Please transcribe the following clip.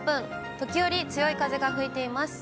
時折、強い風が吹いています。